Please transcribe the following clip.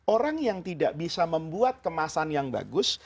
orang yang tidak bisa membuat kemasan yang bagus